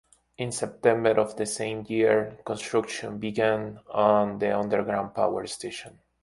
In September of the same year, construction began on the underground power station.